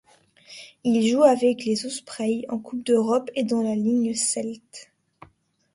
Il joue avec les Ospreys en coupe d'Europe et dans la Ligue Celte.